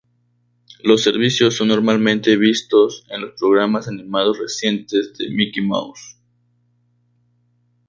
Los servicios son normalmente vistos en los programas animados recientes de Mickey Mouse.